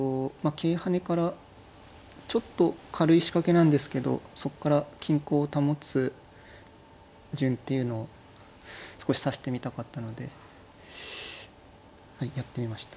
桂跳ねからちょっと軽い仕掛けなんですけどそこから均衡を保つ順っていうのを少し指してみたかったのではいやってみました。